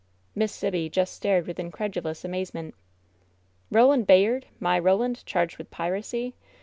Miss Sibby just stared with incredulous amazement. "Roland Bayard I My Roland — charged with piracy ?